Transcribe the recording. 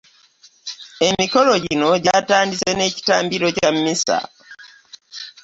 Emikolo gino gyatandise n'ekitambiro Kya mmisa